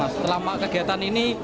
setelah kegiatan ini